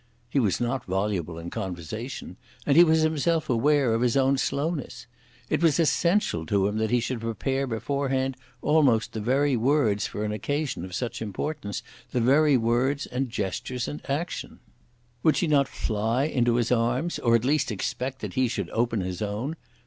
He was not voluble in conversation, and he was himself aware of his own slowness. It was essential to him that he should prepare beforehand almost the very words for an occasion of such importance, the very words and gestures and action. Would she not fly into his arms, or at least expect that he should open his own?